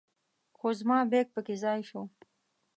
خو زما بیک په کې ځای شو.